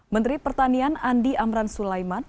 menteri pertanian andi amran sulaiman